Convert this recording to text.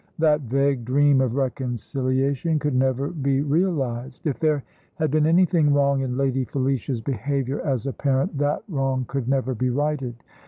That vague dream of reconciliation could never be realised. If there had been anything wrong in Lady Felicia's behaviour as a parent, that wrong could never be righted.